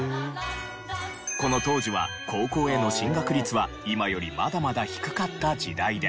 この当時は高校への進学率は今よりまだまだ低かった時代で。